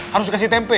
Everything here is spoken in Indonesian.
harus dikasih tempe